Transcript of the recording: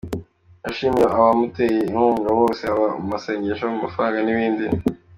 Yashimiye abamuteye inkunga bose haba mu masengesho, mu mafaranga n’ibindi.